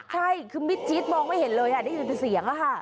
ใช่คือมิจิตรมองไม่เห็นเลยได้ยินแต่เสียงอะค่ะ